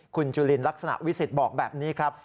คุณจุลินลักษณะวิสิทธิ์บอกแบบนี้ครับ